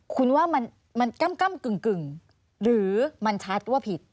คุณว่ามันก้ำกึ่งหรือมันชัดว่าผิด